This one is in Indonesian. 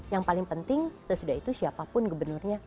yang paling penting sesudah itu siapapun gubernurnya